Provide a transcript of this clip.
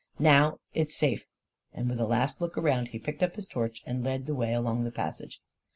Now it's safe," and with a last look around, he picked up his torch and led the way along the passage.